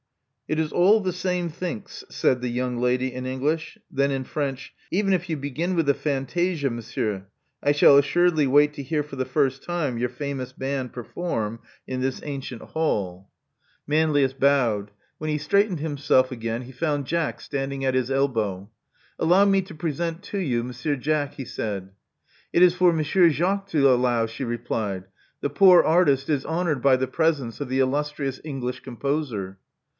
It is oil th^ same thinks," said the young lady in English. Then in French. *'Even if you begin with the fantasia, Monsieur, I shall assuredly wait to hear for the first time your famous band perform in this ancient hall," Love Among the Artists 173 Manlius bowed. When he straightened himself again, he found Jack standing at his elbow. *' Allow me to present to you Monsieur Jack, he said. It is for Monsieur Jacques to allow,*' she replied. The poor artist is honored by the presence of the illustrious English composer."